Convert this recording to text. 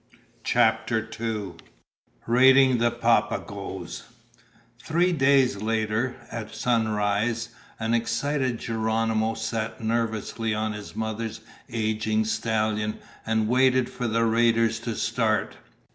CHAPTER TWO Raiding the Papagoes Three days later, at sunrise, an excited Geronimo sat nervously on his mother's aging stallion and waited for the raiders to start.